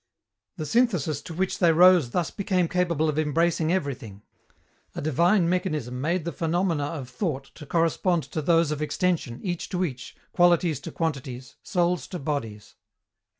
The synthesis to which they rose thus became capable of embracing everything. A divine mechanism made the phenomena of thought to correspond to those of extension, each to each, qualities to quantities, souls to bodies.